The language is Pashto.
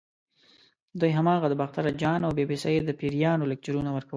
دوی هماغه د باختر اجان او بي بي سۍ د پیریانو لیکچرونه ورکول.